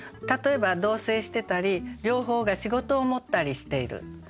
例えば同棲してたり両方が仕事を持ったりしている。